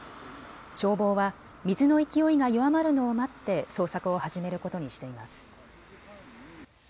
消防は水の勢いが弱まるのを待って捜索を始めることにしています。